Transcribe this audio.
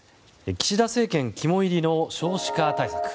岸田政権肝煎りの少子化対策。